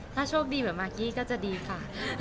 ถ้าโชคดีเหมือนมากกี้ก็จะดีค่ะ